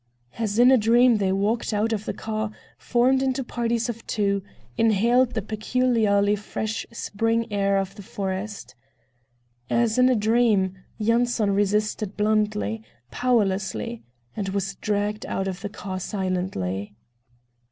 As in a dream, they walked out of the car, formed into parties of two, inhaled the peculiarly fresh spring air of the forest. As in a dream, Yanson resisted bluntly, powerlessly, and was dragged out of the car silently.